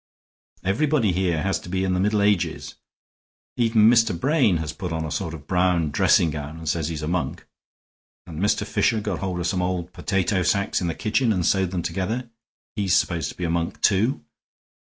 "Everybody here has to be in the Middle Ages. Even Mr. Brain has put on a sort of brown dressing gown and says he's a monk; and Mr. Fisher got hold of some old potato sacks in the kitchen and sewed them together; he's supposed to be a monk, too.